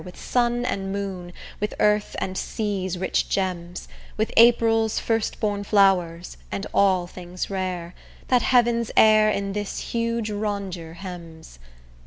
With sun and moon, with earth and sea's rich gems, With April's first born flowers, and all things rare, That heaven's air in this huge rondure hems.